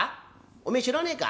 「おめえ知らねえか。